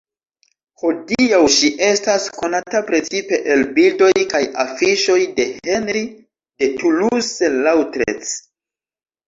Hodiaŭ ŝi estas konata precipe el bildoj kaj afiŝoj de Henri de Toulouse-Lautrec.